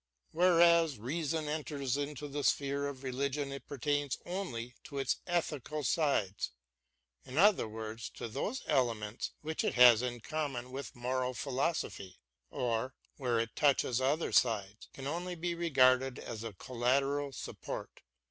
Where reason enters into the sphere of religion it pertains only to its ethical sides ; in other words, to those elements which it has in common with moral philosophy, or, where it touches other sides, can only be regarded as a collateral support.